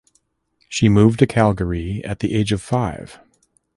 She moved to Calgary at the age of five.